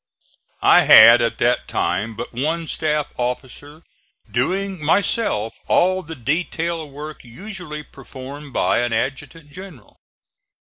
I had at that time but one staff officer, doing myself all the detail work usually performed by an adjutant general.